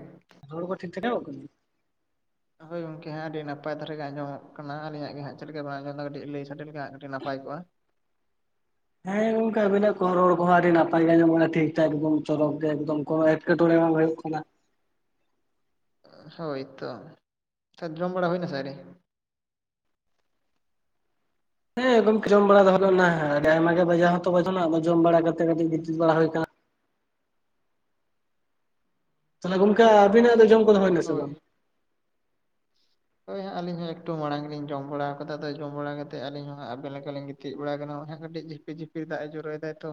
ᱳᱝ ᱴᱮᱸ ᱦᱚᱲ ᱠᱚ ᱴᱷᱤᱠ ᱴᱷᱟᱠ ᱟᱡᱚᱢᱚᱜ ᱠᱟᱱᱟ ᱦᱳᱭ ᱜᱚᱝᱠᱮ ᱦᱟᱜ ᱟᱹᱰᱤ ᱱᱟᱯᱟᱭ ᱫᱷᱟᱨᱟ ᱜᱮ ᱟᱡᱚᱢᱚᱜ ᱠᱟᱱᱟ ᱟᱹᱞᱤᱧᱟᱜ ᱜᱮ ᱦᱟᱜ ᱪᱮᱫ ᱞᱮᱠᱟ ᱵᱟᱝ ᱟᱡᱚᱢᱮᱫᱟ ᱠᱟᱹᱴᱤᱡ ᱞᱟᱹᱭ ᱥᱟᱰᱮ ᱞᱮᱠᱷᱟᱱ ᱟᱹᱰᱤ ᱱᱟᱯᱟᱭ ᱠᱚᱜ-ᱟ᱾ ᱦᱮᱸ ᱜᱚᱝᱠᱮ ᱟᱵᱤᱱᱟᱜ ᱠᱚᱦᱚ ᱨᱚᱲ ᱠᱚᱦᱚ ᱟᱹᱰᱤ ᱱᱟᱯᱟᱭ ᱜᱮ ᱧᱟᱢᱚᱜ ᱠᱟᱱᱟ ᱴᱷᱤᱠ ᱴᱷᱟᱠ ᱮᱠᱫᱚᱢ ᱪᱚᱨᱟᱜ ᱜᱮ ᱮᱠᱫᱚᱢ ᱠᱚᱱᱚ ᱮᱴ᱾ ᱮᱴᱠᱮᱴᱚᱬᱮᱸ ᱦᱚ ᱦᱚᱭᱳᱜ ᱠᱟᱱᱟ᱾ ᱦᱳᱭᱛᱚ ᱛᱚ ᱡᱚᱢ ᱵᱟᱲᱟ ᱦᱩᱭᱱᱟ ᱥᱮ ᱟᱹᱣᱨᱤ᱾ ᱦᱮᱸ ᱜᱚᱝ ᱡᱚᱢ ᱵᱟᱲᱟ ᱫᱚ ᱦᱩᱭ ᱫᱟ ᱦᱩᱭ ᱱᱟ ᱟᱹᱰᱤ ᱟᱭᱢᱟ ᱜᱮ ᱵᱟᱡᱟᱣ ᱦᱚᱸᱛᱚ ᱵᱟᱡᱟᱶ ᱱᱟ ᱟᱫᱚ ᱡᱚᱢ ᱵᱟᱲᱟ ᱠᱟᱛᱮᱜ ᱠᱟᱹᱴᱤᱡ ᱜᱤᱛᱤᱡ ᱵᱟᱲᱟ ᱦᱩᱭ ᱟᱠᱟᱱᱟ᱾ ᱛᱟᱦᱚᱞᱮ ᱜᱚᱝᱠᱮ ᱟᱵᱤᱱᱟᱜ ᱫᱚ ᱡᱚᱢ ᱠᱚᱫᱚ ᱦᱩᱭᱱᱟ ᱱᱟᱥᱮ ᱦᱳᱭ ᱵᱟᱝ᱾ ᱦᱳᱭ ᱦᱟᱜ ᱟᱹᱞᱤᱧ ᱦᱚᱸ ᱮᱠᱴᱩ ᱢᱟᱲᱟᱝ ᱜᱮᱞᱤᱧ ᱡᱚᱢ ᱵᱟᱲᱟ ᱠᱟᱫᱟ ᱟᱫᱚ ᱡᱚᱢ ᱵᱟᱲᱟ ᱠᱟᱛᱮᱫ ᱟᱹᱞᱤᱧ ᱦᱚ ᱟᱵᱮᱱ ᱞᱮᱠᱟᱞᱤᱧ ᱜᱤᱛᱤᱡ ᱵᱟᱲᱟ ᱟᱠᱟᱱᱟ ᱦᱟᱜ ᱠᱟᱹᱴᱤᱡ ᱡᱷᱤᱯ᱾ ᱡᱷᱤᱯᱤᱨ ᱡᱷᱤᱯᱤᱨ ᱫᱟᱜ ᱮ ᱡᱚᱨᱚᱭ ᱫᱟᱭ ᱛᱚ᱾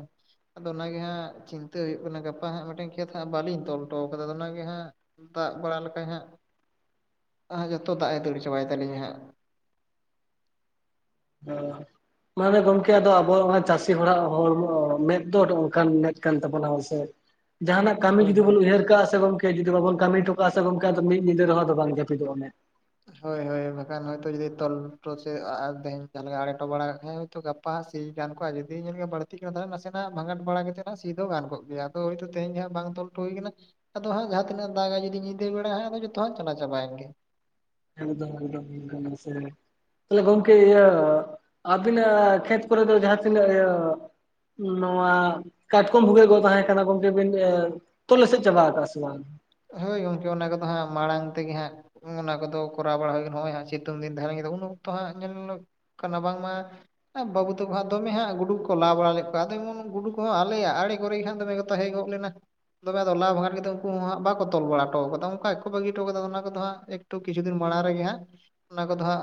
ᱟᱫᱚ ᱚᱱᱟᱜᱮ ᱦᱟᱜ ᱪᱤᱱᱛᱟᱹ ᱦᱩᱭᱩᱜ ᱠᱟᱱᱟ ᱜᱟᱯᱟ ᱦᱟᱜ ᱢᱤᱫᱴᱮᱱ ᱠᱷᱮᱛ ᱦᱟᱜ ᱵᱟᱹᱞᱤᱧ ᱛᱚᱞ ᱦᱚᱴᱚ ᱠᱟᱫᱟ ᱚᱱᱟᱜ ᱜᱮ ᱦᱟᱜ᱾ ᱫᱟᱜ ᱵᱟᱲᱟ ᱞᱮᱠᱟᱡ ᱦᱟᱜ ᱟᱨ ᱡᱚᱛᱚ ᱫᱟᱜ ᱮ ᱫᱟᱹᱲ ᱪᱟᱵᱟᱭ ᱛᱟᱞᱤᱧᱟ ᱦᱟᱜ᱾ ᱵᱟᱝ ᱢᱟᱱᱮ ᱜᱚᱝᱠᱮ ᱟᱫᱚ ᱟᱵᱚᱣᱟᱜ ᱪᱟᱥᱤ ᱦᱚᱲᱟᱜ ᱦᱚᱲᱢᱚ ᱢᱮᱫ ᱫᱚ ᱚᱱᱠᱟᱱ ᱢᱮᱫ ᱠᱟᱱ ᱛᱟᱵᱚᱱᱟ ᱦᱚᱭ ᱥᱮ [inaudible] ᱡᱟᱦᱟ ᱱᱟᱜ ᱠᱟᱹᱢᱤ ᱦᱳᱭ ᱡᱩᱫᱤ ᱦᱳᱭ ᱵᱚᱱ ᱩᱭᱦᱟᱹᱨ ᱠᱟᱜᱼᱟ ᱥᱮ ᱵᱟᱝ ᱡᱩᱫᱤ ᱵᱟᱵᱚᱱ ᱠᱟᱹᱢᱤ ᱦᱚᱴᱚ ᱠᱟᱜᱼᱟ ᱥᱮ ᱜᱚᱝᱠᱮ ᱟᱫᱚ ᱢᱤᱫ ᱧᱤᱫᱟᱹ ᱨᱮᱦᱚᱸ ᱟᱫᱚ ᱵᱟᱝ ᱡᱟᱹᱯᱤᱫ ᱚᱜᱼᱟ ᱢᱮᱫ᱾ ᱦᱳᱭ ᱦᱳᱭ ᱵᱟᱠᱷᱟᱱ ᱦᱳᱭ ᱛᱳ ᱡᱩᱫᱤ ᱛᱚᱞᱚ ᱦᱚᱴᱚ ᱥᱮ ᱟᱲᱮ ᱠᱚ ᱵᱟᱲᱟ ᱠᱷᱟᱡ ᱛᱚ ᱜᱟᱯᱟ ᱦᱟᱸᱜ ᱥᱤ ᱜᱟᱱ ᱠᱚᱜᱼᱟ ᱡᱩᱫᱤ ᱧᱮᱞᱮ ᱵᱟᱹᱲᱛᱤᱜ ᱠᱟᱱᱟ ᱛᱟᱦᱞᱮ ᱱᱟᱥᱮ ᱱᱟᱜ ᱵᱷᱟᱸᱜᱟᱴ ᱵᱟᱲᱟ ᱠᱟᱛᱮᱫ ᱱᱟᱜ ᱥᱤ ᱫᱚ ᱜᱟᱱ ᱠᱚᱜ ᱜᱮᱭᱟ᱾ ᱛᱚ ᱦᱳᱭ ᱛᱚ ᱛᱮᱦᱮᱧ ᱦᱟᱸᱜ ᱵᱟᱝ ᱛᱚᱞ ᱦᱚᱴᱚ ᱦᱳᱭ ᱟᱠᱟᱱᱟ ᱟᱫᱚ ᱦᱟᱸᱜ ᱡᱟᱦᱟ ᱛᱤᱱᱟᱹᱜ ᱫᱟᱜᱼᱟ ᱡᱩᱫᱤ ᱧᱤᱫᱟᱹ ᱵᱮᱲᱟ ᱦᱟᱸᱜ ᱟᱫᱚ ᱡᱚᱛᱚ ᱦᱟᱸᱜ ᱪᱟᱞᱟ ᱪᱟᱵᱟ ᱭᱮᱱ ᱜᱮ ᱮᱠᱫᱚᱢ ᱮᱠᱫᱚᱢ ᱠᱟᱹᱢᱤ ᱥᱮ ᱛᱟᱦᱞᱮ ᱜᱚᱝᱠᱮ ᱤᱭᱟᱹ ᱟᱵᱤᱱ‌ ᱟᱜ ᱠᱷᱮᱛ ᱠᱚᱨᱮ ᱫᱚ ᱡᱟᱦᱟᱸ ᱛᱤᱱᱟᱹᱜ ᱤᱭᱟᱹ ᱱᱚᱣᱟ ᱠᱟᱴᱠᱚᱢ ᱵᱷᱩᱜᱟᱹᱜ ᱠᱚ ᱛᱟᱦᱮᱸ ᱠᱟᱱᱟ ᱜᱚᱝᱠᱮ ᱵᱤᱱ ᱤᱭᱟᱹ ᱛᱚᱞ ᱮᱥᱮᱫ ᱪᱟᱵᱟ ᱠᱟᱣᱟ ᱥᱮ ᱵᱟᱝ? ᱦᱳᱭ ᱜᱚᱝᱠᱮ ᱚᱱᱟ ᱠᱚᱫᱚ ᱦᱟᱜ ᱢᱟᱲᱟᱝ ᱛᱮᱜᱮ ᱦᱟᱜ᱾ ᱚᱱᱟ ᱠᱚᱫᱚ ᱠᱚᱨᱟᱣ ᱵᱟᱲᱟ ᱦᱩᱭ ᱱᱚᱜ-ᱚᱭ ᱥᱤᱛᱩᱝ ᱫᱤᱱ ᱫᱷᱟᱶ ᱩᱱ ᱚᱠᱛᱚ ᱦᱟᱜ ᱧᱮᱞ ᱧᱚᱜ᱾ ᱠᱟᱱᱟ ᱵᱟᱝ ᱢᱟ ᱵᱟᱹᱵᱩ ᱛᱟᱠᱚ ᱦᱟᱸᱜ ᱫᱚᱢᱮ ᱦᱟᱸᱜ ᱜᱩᱰᱩ ᱠᱚ ᱞᱟ ᱵᱟᱲᱟ ᱞᱮᱫ ᱠᱚᱣᱟ ᱟᱫᱚ ᱮᱢᱚᱱ ᱜᱩᱰᱩ ᱠᱚᱦᱚᱸ ᱟᱞᱮᱭᱟᱜ ᱟᱲᱮ ᱠᱚᱨᱮ ᱜᱮ ᱱᱟᱜ ᱫᱚᱢᱮ᱾ ᱛᱟᱦᱮᱸ ᱜᱚᱫ ᱞᱮᱱᱟ ᱫᱚᱢᱮ ᱫᱚ ᱟᱫᱚ ᱞᱟ ᱵᱚᱸᱜᱟ ᱠᱟᱛᱮᱜ ᱜᱮ ᱩᱱᱠᱩ ᱦᱚᱸ ᱦᱟᱸᱜ ᱵᱟᱜ ᱛᱚᱞ ᱵᱟᱲᱟ ᱦᱚᱴᱚ ᱠᱟᱫᱟ ᱚᱱᱠᱟ ᱜᱮᱠᱚ ᱵᱟᱹᱜᱤ ᱦᱚᱴᱚ ᱠᱟᱫᱟ ᱚᱱᱟ ᱠᱚᱫᱚ ᱦᱟᱸᱜ ᱮᱠ ᱴᱩ ᱠᱤᱪᱷᱩ ᱫᱤᱱ ᱢᱟᱲᱟᱝ ᱨᱮ ᱜᱮ ᱦᱟᱸᱜ ᱚᱱᱟ ᱠᱚᱫᱚ ᱦᱟᱸᱜ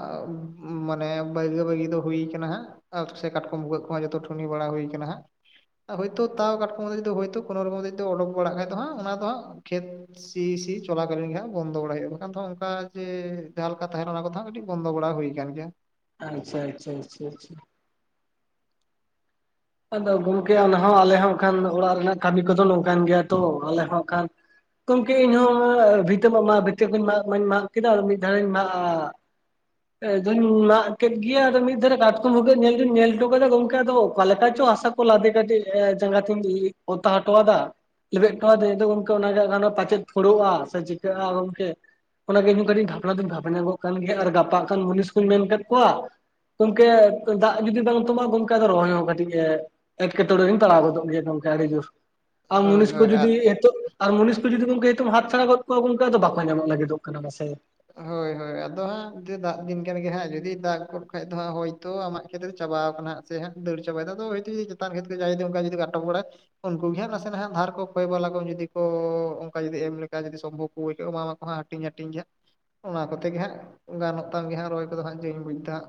ᱢᱟᱱᱮ ᱵᱟᱹᱭᱜᱟ ᱵᱟᱹᱭᱜᱤ ᱫᱚ ᱦᱩᱭ ᱠᱟᱱᱟ ᱦᱟᱸᱜ ᱟᱨ ᱥᱮ ᱠᱟᱴᱚᱢ ᱵᱷᱩᱜᱟᱹᱜ ᱠᱚ ᱦᱚᱸ ᱡᱚᱛᱚ ᱴᱷᱩᱱᱤ ᱵᱟᱲᱟ ᱦᱩᱭ ᱠᱟᱱᱟ ᱦᱟᱸᱜ ᱦᱳᱭ ᱛᱳ ᱛᱟᱣ ᱠᱟᱴᱚᱢ ᱦᱳᱭ ᱛᱳ ᱠᱳᱱ ᱨᱚᱠᱚᱢ ᱡᱩᱫᱤ ᱚᱰᱚᱠ ᱵᱟᱲᱟᱜ ᱠᱷᱟᱡ ᱫᱚ ᱦᱟᱸᱜ ᱚᱱᱟ ᱦᱟᱸᱜ ᱠᱷᱮᱛ ᱥᱤ ᱥᱤ ᱪᱚᱞᱟ ᱠᱟᱞᱤᱱ ᱜᱮ ᱦᱟᱸᱜ ᱵᱚᱱᱫᱚ ᱵᱟᱲᱟᱭ ᱦᱩᱭᱩᱜᱼᱟ ᱵᱟᱝ ᱠᱷᱟᱱ ᱫᱚ ᱚᱱᱠᱟ ᱡᱮ ᱡᱟᱦᱟᱸ ᱞᱮᱠᱟ ᱛᱟᱦᱮᱱᱟ ᱚᱱᱟ ᱠᱚᱫᱚ ᱦᱟᱸᱜ ᱠᱟᱹᱴᱤᱡ ᱵᱚᱱᱫᱚ ᱵᱟᱲᱟ ᱦᱩᱭ ᱠᱟᱱ ᱜᱮᱭᱟ᱾ ᱟᱪᱪᱷᱟ ᱟᱪᱪᱷᱟ ᱟᱪᱪᱷᱟ ᱟᱪᱪᱷᱟ ᱟᱫᱚ ᱜᱚᱝᱠᱮ ᱚᱱᱟ ᱦᱚᱸ ᱟᱞᱮ ᱦᱚᱸ ᱦᱟᱸᱜ ᱠᱷᱟᱱ ᱚᱲᱟᱜ ᱨᱮᱱᱟᱜ ᱠᱟᱹᱢᱤ ᱠᱚᱫᱚ ᱱᱚᱝᱠᱟᱱ ᱜᱮᱭᱟ ᱛᱚ ᱟᱞᱮ ᱦᱚᱸ ᱦᱟᱸᱜ ᱠᱷᱟᱱ ᱜᱚᱝᱠᱮ ᱤᱧ ᱦᱚᱸ ᱵᱷᱤᱛᱟᱹ ᱢᱟ ᱢᱟᱜ ᱢᱟᱹᱧ ᱢᱟᱜ ᱠᱮᱫᱟ ᱟᱨ ᱢᱤᱫ ᱫᱷᱟᱣ ᱤᱧ ᱢᱟᱜ ᱟᱫᱚᱧ ᱢᱟᱜ ᱠᱮᱫ ᱜᱮᱭᱟ ᱟᱫᱚ ᱢᱤᱫ ᱫᱷᱟᱨᱮ ᱠᱟᱴᱠᱚᱢ ᱵᱷᱩᱜᱟᱹᱜ ᱧᱮᱞ ᱫᱚᱸᱧ ᱧᱮᱞ ᱦᱚᱴᱚ ᱠᱟᱫᱟ ᱜᱚᱝᱠᱮ ᱟᱫᱚ ᱦᱮᱪᱚ ᱦᱟᱥᱟ ᱠᱚ ᱞᱟᱫᱮ ᱠᱟᱛᱮᱫ ᱡᱟᱸᱜᱟ ᱛᱮᱸᱧ ᱚᱛᱟ ᱦᱚᱴᱚᱣᱟᱫᱟ ᱞᱮᱵᱮᱫ ᱦᱚᱴᱚ ᱟᱫᱟ ᱟᱫᱚ ᱜᱚᱝᱠᱮ ᱚᱱᱟ ᱜᱮ ᱦᱟᱸᱜ ᱠᱷᱟᱱ ᱯᱟᱪᱮᱫ ᱯᱷᱳᱲᱳᱜᱼᱟ ᱥᱮ ᱪᱤᱠᱟᱹᱜᱼᱟ ᱜᱚᱝᱠᱮ ᱚᱱᱟ ᱜᱮ ᱤᱧ ᱦᱚᱸ ᱠᱟᱹᱴᱤᱡ ᱵᱷᱟᱵᱱᱟ ᱫᱚᱸᱧ ᱵᱷᱟᱵᱱᱟ ᱧᱚᱸ ᱜᱚᱜ ᱠᱟᱱ ᱜᱮᱭᱟ ᱟᱨ ᱜᱟᱯᱟᱜ ‌ᱦᱟᱸᱜ ᱠᱷᱟᱱ ᱢᱩᱱᱤᱥ ᱠᱩᱸᱧ ᱢᱮᱱ ᱟᱠᱟᱫ ᱠᱚᱣᱟ ᱜᱚᱝᱠᱮ ᱫᱟᱜ ᱡᱩᱫᱤ ᱵᱟᱝ ᱛᱟᱵᱟᱜᱟ ᱜᱚᱝᱠᱮ ᱟᱫᱚ ᱨᱚᱦᱚᱭ ᱦᱚᱸ ᱠᱟᱹᱴᱤᱡ᱾ ᱮᱸ ᱮᱴᱠᱮᱴᱚᱬᱮᱸ ᱨᱮᱧ ᱯᱟᱲᱟᱣ ᱜᱚᱫᱚᱜ ᱜᱮᱭᱟ ᱱᱚᱝᱠᱟᱱ ᱠᱤᱪᱷᱩ ᱟᱢ ᱦᱳᱭ ᱢᱤᱥ ᱠᱩ ᱦᱳᱭ ᱟᱜ ᱡᱩᱫᱤ ᱭᱮ ᱟᱨ ᱢᱩᱱᱤᱥ ᱠᱚ ᱡᱩᱫᱤ ᱜᱚᱝᱠᱮ ᱦᱟᱛ ᱪᱷᱟᱲᱟ ᱜᱚᱫ ᱠᱚᱣᱟ ᱜᱚᱝᱠᱮ ᱟᱫᱚ ᱵᱟᱠᱚ ᱧᱟᱢᱚᱜ ᱞᱟᱹᱜᱤᱫ ᱫᱚᱜ ᱠᱟᱱᱟ ᱢᱟ ᱥᱮ ᱦᱳᱭ ᱦᱳᱭ ᱟᱫᱚ ᱦᱟᱸᱜ ᱫᱟᱜ ᱫᱤᱱ ᱠᱟᱱ ᱜᱮᱭᱟ ᱦᱟᱸᱜ ᱡᱩᱫᱤ ᱫᱟᱜ ᱜᱚᱫ ᱠᱷᱟᱱ ᱫᱚ ᱦᱟᱸᱜ ᱦᱳᱭ ᱛᱚ ᱟᱢᱟᱜ ᱠᱷᱮᱛ ᱨᱮ ᱪᱟᱵᱟ ᱠᱟᱱᱟ ᱥᱮ ᱦᱟᱸᱜ ᱫᱟᱹᱲ ᱪᱟᱵᱟ ᱮᱫᱟᱭ ᱟᱫᱚ ᱦᱳᱭ ᱛᱚ ᱡᱩᱫᱤ ᱪᱮᱛᱟᱱ ᱠᱷᱮᱛ ᱨᱮ ᱡᱟᱦᱟᱸᱭ ᱡᱩᱫᱤ ᱚᱱᱠᱟ ᱟᱴᱚᱠ ᱵᱟᱲᱟᱭ ᱩᱱᱠᱩ ᱜᱮ ᱦᱟᱸᱜ ᱱᱟᱥᱮ ᱱᱟᱦᱟᱜ ᱫᱷᱟᱨ ᱠᱚ ᱠᱚᱭ ᱵᱟᱞᱟ ᱠᱚ ᱡᱩᱫᱤ ᱠᱚ ᱚᱱᱠᱟ ᱡᱩᱫᱤ ᱮᱢ ᱞᱮᱠᱟ ᱡᱩᱫᱤ ᱥᱚᱢᱵᱷᱚᱵ ᱠᱚ ᱦᱩᱭ ᱠᱚᱜ ᱮᱢᱟ ᱢᱟᱠᱚ ᱦᱟᱸᱜ ᱦᱟᱹᱴᱤᱧ-ᱦᱟᱹᱴᱤᱧ ᱜᱮᱭᱟ ᱚᱱᱟ ᱠᱚᱛᱮ ᱜᱮ ᱦᱟᱸᱜ ᱜᱟᱱᱚᱜ ᱛᱟᱢ ᱜᱮ ᱦᱟᱸᱜ ᱨᱚᱦᱚᱭ ᱠᱚᱫᱚ ᱦᱟᱸᱜ ᱡᱟᱹᱧ ᱵᱩᱡ ᱫᱟ ᱦᱟᱸᱜ